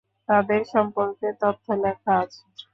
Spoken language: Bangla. তাদের সম্পর্কে তথ্য লেখা আছে?